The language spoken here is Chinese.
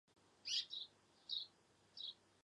接着顾盛号主要留在大西洋训练及作中立巡航。